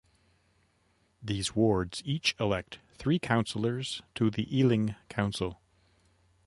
These wards each elect three councillors to the Ealing Council.